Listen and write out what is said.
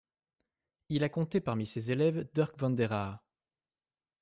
Il a compté parmi ses élèves Dirk van der Aa.